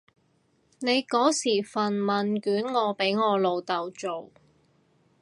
你嗰時份問卷我俾我老豆做